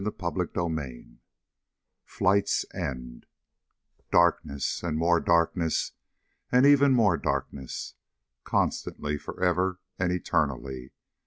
CHAPTER NINETEEN Flight's End Darkness, and more darkness, and even more darkness. Constantly, forever, and eternally.